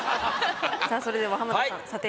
さあそれでは浜田さん査定